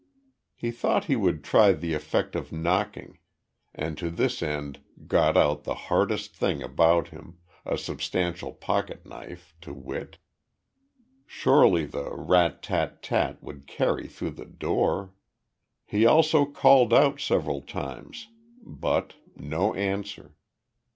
He thought he would try the effect of knocking, and to this end got out the hardest thing about him, a substantial pocket knife to wit. Surely the rat tat tat would carry through the door. He also called out several times. But no answer.